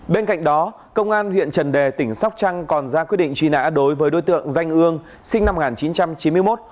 bên cạnh đó công an huyện trần đề tỉnh sóc trăng còn ra quyết định truy nã đối với đối tượng danh ương sinh năm một nghìn chín trăm chín mươi một